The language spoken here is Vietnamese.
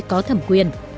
có thẩm quyền